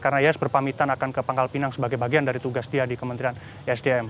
karena yayas berpamitan akan ke pangkal pinang sebagai bagian dari tugas dia di kementerian ysdm